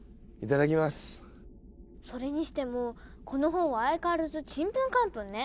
それにしてもこの本は相変わらずちんぷんかんぷんね